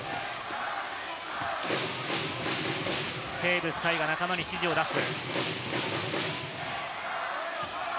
テーブス海が仲間に指示を出す。